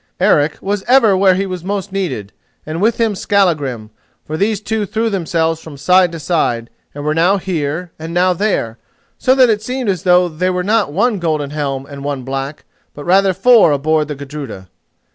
Eric was ever where he was most needed, and with him Skallagrim, for these two threw themselves from side to side, and were now here and now there, so that it seemed as though there were not one golden helm and one black, but rather four on board the Gudruda.